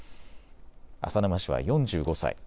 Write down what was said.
浅沼氏は４５歳。